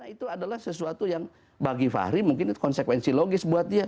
itu adalah sesuatu yang bagi fahri mungkin itu konsekuensi logis buat dia